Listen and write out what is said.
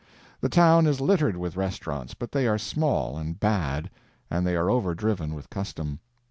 The town is littered with restaurants, but they are small and bad, and they are overdriven with custom.